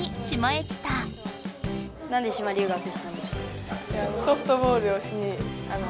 なんで島留学したんですか？